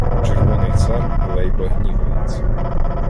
"Червоний цар" Лейба гнівається